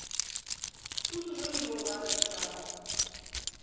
Тут ужо не ва ўладах справа.